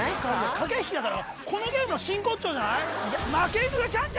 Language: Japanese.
駆け引きだからこのゲームの真骨頂じゃない？